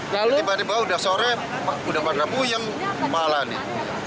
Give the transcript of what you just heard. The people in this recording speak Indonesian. tiba tiba udah sore udah pada puyeng malah nih